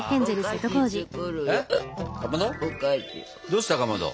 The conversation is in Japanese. どうしたかまど？